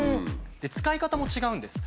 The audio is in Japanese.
で使い方も違うんです。